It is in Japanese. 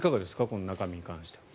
この中身について。